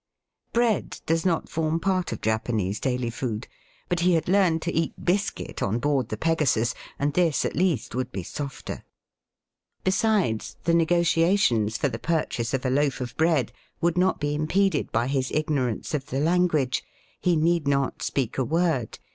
Bread does not form part of Japanese daily food, but he had learned to eat biscuit on board the Pegasus, and this at least would be softer. Besides, the negotiations for the pur Digitized by VjOOQIC 28 BAST BY WEST. chase of a loaf of bread would not be impeded by his ignorance of the language. He need not speak a word.